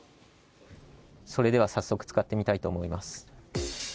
それでは早速、使ってみたいと思います。